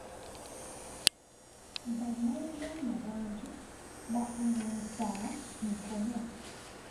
Bannayuganda bangi bafuna emisaala mitono.